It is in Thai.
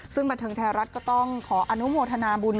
ซึ่งบันเทิงไทยรัฐก็ต้องขออนุโมทนาบุญ